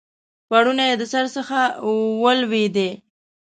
پوړنی یې د سر څخه ولوېدی